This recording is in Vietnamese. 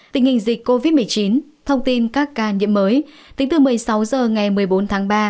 tình hình dịch covid một mươi chín thông tin các ca nhiễm mới tính từ một mươi sáu h ngày một mươi bốn tháng ba